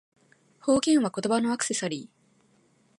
方言は、言葉のアクセサリー